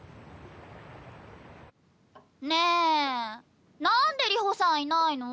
ねえなんで流星さんいないの？